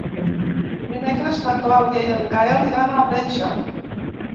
Dimecres na Clàudia i en Gaël iran al metge.